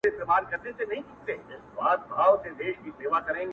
چي د وختونو له خدايانو څخه ساه واخلمه!